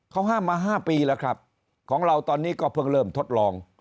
เขาห้ามมา๕ปีแล้วครับของเราตอนนี้ก็เพิ่งเริ่มทดลอง